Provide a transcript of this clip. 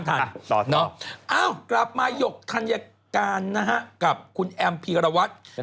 ต้องยุปฏิกรภาซ